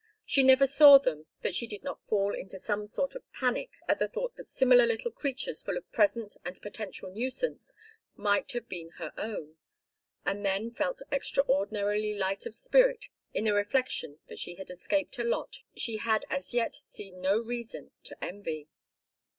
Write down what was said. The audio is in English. She never saw them that she did not fall into a sort of panic at the thought that similar little creatures full of present and potential nuisance might have been her own, and then felt extraordinarily light of spirit in the reflection that she had escaped a lot she had as yet seen no reason to envy.